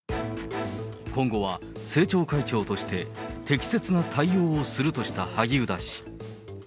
今後は政調会長として、適切な対応をするとした萩生田氏。